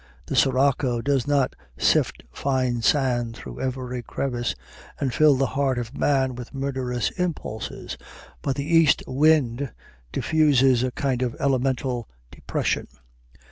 The sirocco does not sift fine sand through every crevice and fill the heart of man with murderous impulses; but the east wind diffuses a kind of elemental depression.